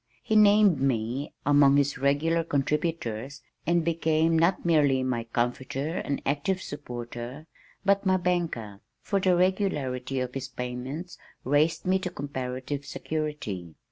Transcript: He named me among his "regular contributors," and became not merely my comforter and active supporter but my banker, for the regularity of his payments raised me to comparative security.